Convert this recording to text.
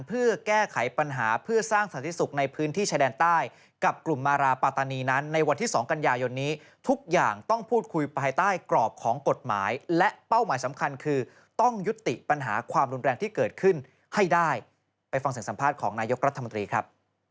ทุกอย่างต้องพูดคุยภายใต้กรอบของกฎหมายและเป้าหมายสำคัญคือต้องยุติปัญหาความรุนแรงที่เกิดขึ้นให้ได้ไปฟังเสียงสัมภาษณ์ของนายกรัฐธรรมตรีครับ